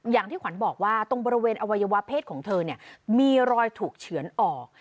อย่างที่ขวัญบอกว่าตรงบริเวณอวัยวะเพศของเธอเนี่ยมีรอยถูกเฉือนออก